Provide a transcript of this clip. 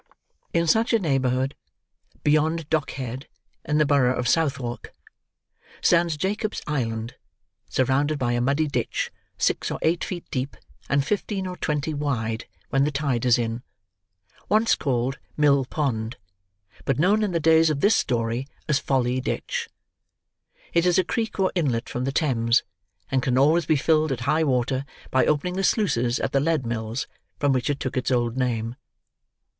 In such a neighborhood, beyond Dockhead in the Borough of Southwark, stands Jacob's Island, surrounded by a muddy ditch, six or eight feet deep and fifteen or twenty wide when the tide is in, once called Mill Pond, but known in the days of this story as Folly Ditch. It is a creek or inlet from the Thames, and can always be filled at high water by opening the sluices at the Lead Mills from which it took its old name.